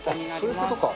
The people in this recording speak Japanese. そういうことか。